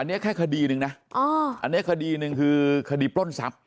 อันนี้แค่คดีหนึ่งนะอันนี้คดีหนึ่งคือคดีปล้นทรัพย